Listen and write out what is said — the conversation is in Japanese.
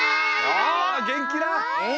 あげんきだ。